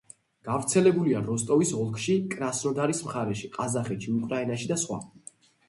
გავრცელებულია როსტოვის ოლქში, კრასნოდარის მხარეში, ყაზახეთში, უკრაინაში და სხვა.